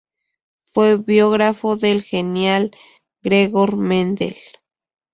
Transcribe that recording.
Fue biógrafo del genial Gregor Mendel.